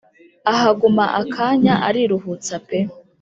Ahaguma akanya ariruhutsa pe